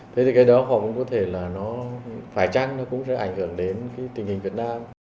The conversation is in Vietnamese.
thế thì cái đó họ cũng có thể là nó phải chăng nó cũng sẽ ảnh hưởng đến cái tình hình việt nam